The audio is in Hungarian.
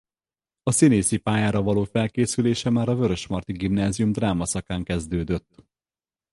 A színészi pályára való felkészülése már a Vörösmarty Gimnázium dráma szakán kezdődött.